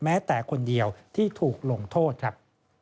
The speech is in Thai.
แม้แต่คนเดียวที่ถูกลงโทษครับ